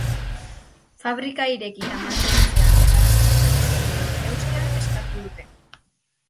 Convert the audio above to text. Fabrika irekita mantentzea eta lanpostu guztiei eustea eskatu dute.